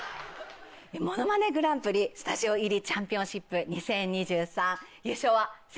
『ものまねグランプリ』スタジオ入りチャンピオンシップ２０２３。